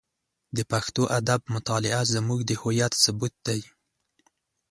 د پښتو ادب مطالعه زموږ د هویت ثبوت دی.